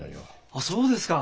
あっそうですか。